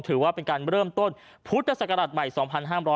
ถือว่าเป็นการเริ่มต้นพุทธศักราชใหม่๒๕๖๐